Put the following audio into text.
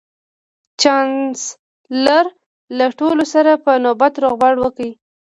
چانسلر له ټولو سره په نوبت روغبړ وکړ